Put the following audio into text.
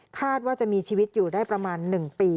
คาดว่าจะมีชีวิตอยู่ได้ประมาณ๑ปี